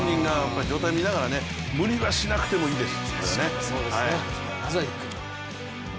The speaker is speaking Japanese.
状態見ながら、無理はしなくてもいいです。